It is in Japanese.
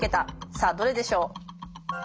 さあどれでしょう？